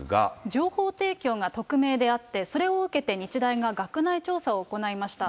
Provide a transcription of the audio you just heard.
情報提供が匿名であって、それを受けて日大が学内調査を行いました。